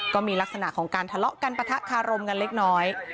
ก็มีลักษณะของการทะเลาะกันปะทะคารมกันเล็กน้อย